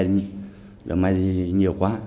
nói như nhiều quá